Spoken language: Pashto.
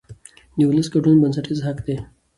د ولس ګډون بنسټیز حق دی